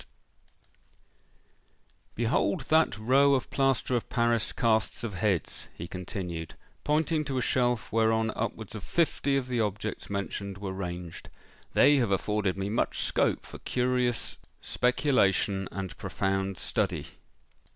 "Behold that row of plaster of Paris casts of heads," he continued, pointing to a shelf whereon upwards of fifty of the objects mentioned were ranged: "they have afforded me much scope for curious speculation and profound study."